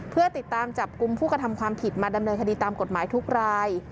เพื่อติดตามจับกลุ่มผู้กระทำความผิดมาดำเนินคดีตามกฎหมายทุกราย